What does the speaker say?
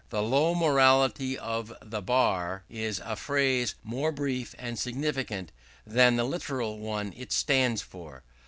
"The low morality of the bar," is a phrase both more brief and significant than the literal one it stands for.